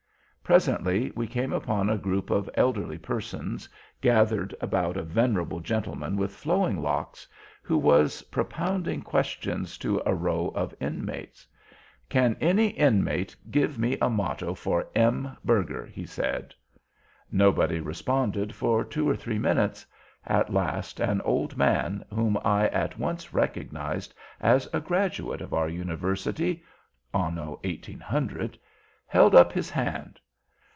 Presently we came upon a group of elderly persons, gathered about a venerable gentleman with flowing locks, who was propounding questions to a row of Inmates. "Can any Inmate give me a motto for M. Berger?" he said. Nobody responded for two or three minutes. At last one old man, whom I at once recognized as a Graduate of our University (Anno 1800) held up his hand.